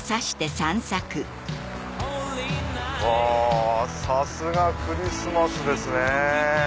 あさすがクリスマスですね。